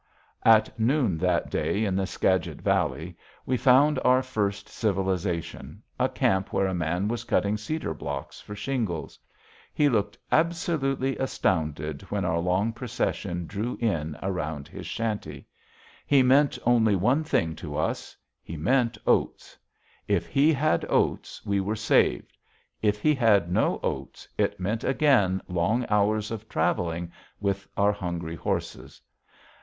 At noon that day in the Skagit Valley, we found our first civilization, a camp where a man was cutting cedar blocks for shingles. He looked absolutely astounded when our long procession drew in around his shanty. He meant only one thing to us; he meant oats. If he had oats, we were saved. If he had no oats, it meant again long hours of traveling with our hungry horses.